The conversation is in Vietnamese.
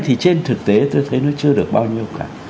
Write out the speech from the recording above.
thì trên thực tế tôi thấy nó chưa được bao nhiêu cả